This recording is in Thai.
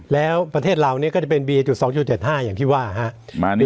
แล้วประเทศลาวเนี้ยก็จะเป็นบีเอจุดสองจุดเจ็ดห้าอย่างที่ว่าฮะมานี่เลย